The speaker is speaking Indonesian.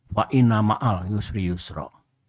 fainama'al yusri yusro